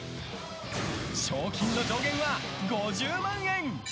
賞金の上限は５０万円。